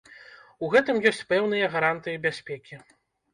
У гэтым ёсць пэўныя гарантыі бяспекі.